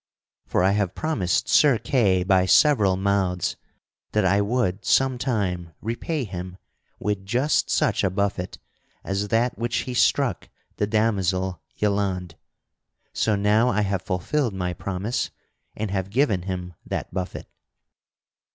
For I have promised Sir Kay by several mouths that I would sometime repay him with just such a buffet as that which he struck the damosel Yelande. So now I have fulfilled my promise and have given him that buffet."